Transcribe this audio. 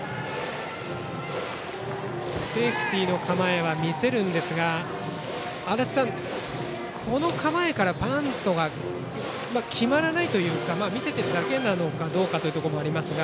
セーフティーの構えは見せるんですが足達さん、この構えからバントが決まらないというかただ見せているだけなのかどうかというのもありますか。